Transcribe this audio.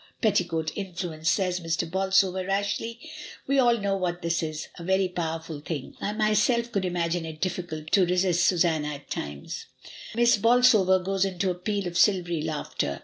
petticoat influence," says Mr. Bolsover rashly; "we all know what that is — a very powerful thing; 1 myself could imagine it difficult to resist Susanna at times." ... Miss Bolsover goes into a peal of silvery laughter.